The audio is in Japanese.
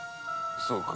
そうか。